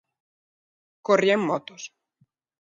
Corría en motos.